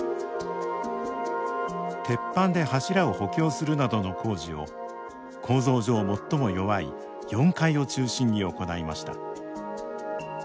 鉄板で柱を補強するなどの工事を構造上最も弱い４階を中心に行いました。